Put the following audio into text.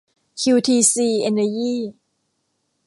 คิวทีซี เอนเนอร์ยี่